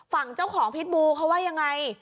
ฝั่งเจ้าของพิษบูเขาว่ายังไง